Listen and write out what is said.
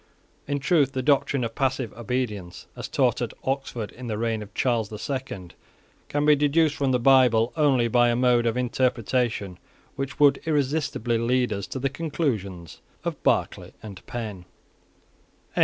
In truth the doctrine of passive obedience, as taught at Oxford in the reign of Charles the Second, can be deduced from the Bible only by a mode of interpretation which would irresistibly lead us to the conclusions of Barclay and Penn.